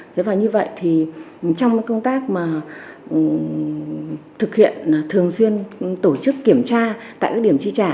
nếu như vậy thì trong các công tác mà thực hiện thường xuyên tổ chức kiểm tra tại các điểm tri trả